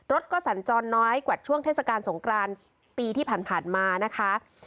รถก็สัญจรน้อยกว่าช่วงเทศกาลสงครานปีที่ผ่านมานะคะ